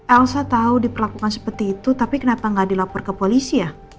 elsa tahu diperlakukan seperti itu tapi kenapa nggak dilapor ke polisi ya